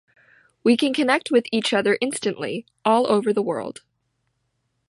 We can connect with each other instantly, all over the world.